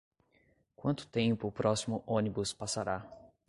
Quanto tempo o próximo ônibus passará?